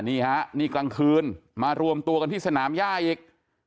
นี่ฮะนี่กลางคืนมารวมตัวกันที่สนามย่าอีก